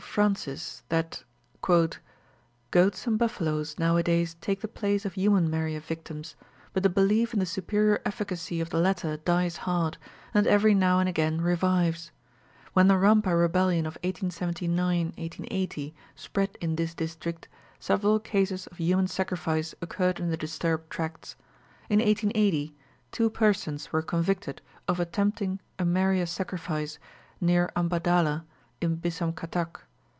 Francis that "goats and buffaloes nowadays take the place of human meriah victims, but the belief in the superior efficacy of the latter dies hard, and every now and again revives. When the Rampa rebellion of 1879 80 spread in this district, several cases of human sacrifice occurred in the disturbed tracts. In 1880, two persons were convicted of attempting a meriah sacrifice near Ambadala in Bissamkatak.